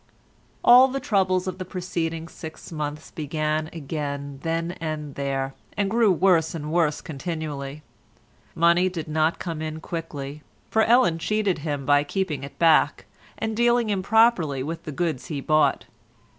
All the troubles of the preceding six months began again then and there, and grew worse and worse continually. Money did not come in quickly, for Ellen cheated him by keeping it back, and dealing improperly with the goods he bought.